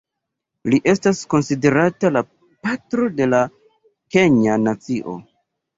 Li estas konsiderata la patro de la kenja nacio.